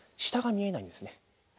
下が見えないんですね。